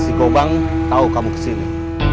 si kobang tau kamu kesini